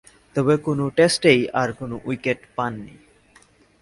তবে, কোন টেস্টেই আর কোন উইকেট পাননি।